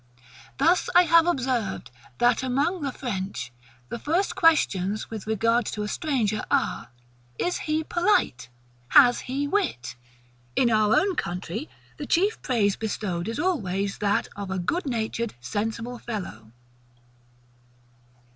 Thus, I have often observed, that, among the French, the first questions with regard to a stranger are, IS HE POLITE? HAS HE WIT? In our own country, the chief praise bestowed is always that of a GOOD NATURED, SENSIBLE FELLOW.